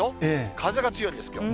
風が強いんです、きょう。